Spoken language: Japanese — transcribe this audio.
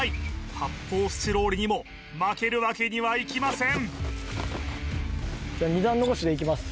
発泡スチロールにも負けるわけにはいきません